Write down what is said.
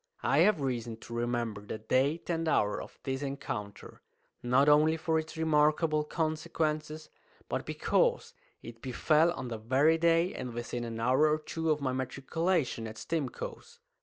I have reason to remember the date and hour of this encounter, not only for its remarkable consequences, but because it befell on the very day and within an hour or two of my matriculation at Stimcoe's.